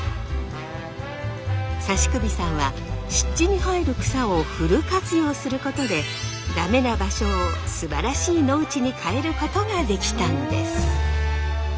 指首さんは湿地に生える草をフル活用することでダメな場所をすばらしい農地に変えることができたんです。